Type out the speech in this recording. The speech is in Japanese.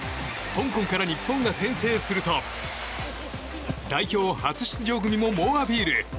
香港から日本が先制すると代表初出場組も猛アピール。